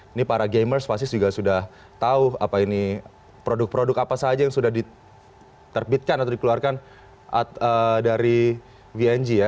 ini para gamers pasti juga sudah tahu produk produk apa saja yang sudah diterbitkan atau dikeluarkan dari vng ya